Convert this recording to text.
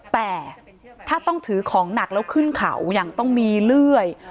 แต่ถ้าต้องถือของหนักแล้วขึ้นเขายังต้องมีเลื่อย